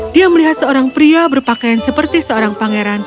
dia melihat seorang pria berpakaian seperti seorang pangeran